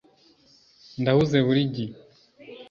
ndahuze buri gihe